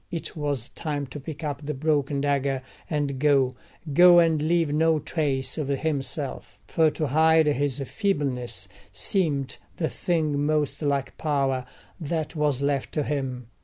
It was time to pick up the broken dagger and go—go and leave no trace of himself; for to hide his feebleness seemed the thing most like power that was left to him.